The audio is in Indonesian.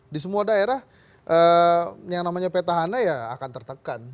di semua daerah yang namanya petahana ya akan tertekan